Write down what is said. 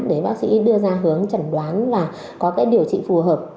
để bác sĩ đưa ra hướng chẩn đoán và có cái điều trị phù hợp